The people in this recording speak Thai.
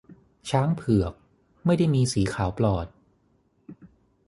ช้างเผือก ไม่ได้มีสีขาวปลอด